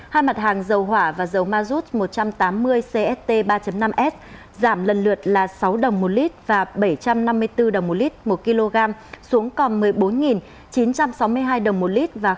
hai mặt hàng dầu hỏa và dầu mazut một trăm tám mươi cst ba năm s giảm lần lượt là sáu đồng một lít và bảy trăm năm mươi bốn đồng một lít